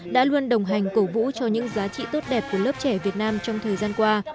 đã luôn đồng hành cổ vũ cho những giá trị tốt đẹp của lớp trẻ việt nam trong thời gian qua